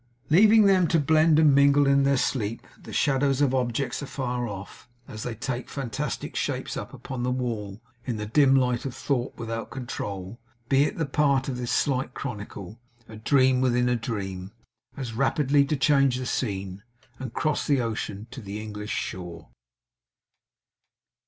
Leaving them to blend and mingle in their sleep the shadows of objects afar off, as they take fantastic shapes upon the wall in the dim light of thought without control, be it the part of this slight chronicle a dream within a dream as rapidly to change the scene, and cross the ocean to the English shore.